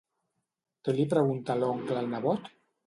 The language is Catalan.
Què li pregunta l'oncle al nebot?